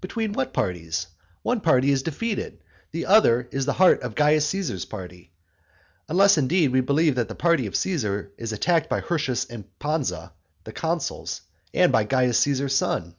Between what parties? One party is defeated, the other is the heart of Caius Caesar's party. Unless, indeed, we believe that the party of Caesar is attacked by Pansa and Hirtius the consuls, and by Caius Caesar's son.